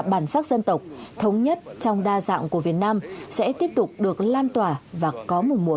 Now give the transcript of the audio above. bản sắc dân tộc thống nhất trong đa dạng của việt nam sẽ tiếp tục được lan tỏa và có một mùa